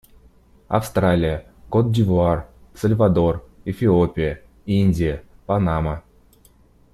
Австралия, Кот-д'Ивуар, Сальвадор, Эфиопия, Индия, Панама.